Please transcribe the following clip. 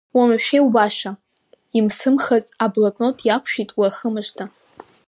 Уамашәа иубаша, имсымхыз аблокнот иақәшәеит уи ахы мыжда…